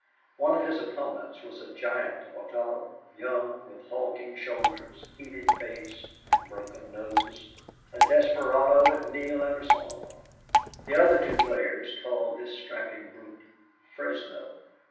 One of his opponents was a giant of a fellow, young, with hulking shoulders, heated face, and broken nose a desperado if Neale ever saw one. The other two players called this strapping brute Fresno.